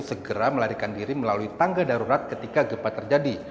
segera melarikan diri melalui tangga darurat ketika gempa terjadi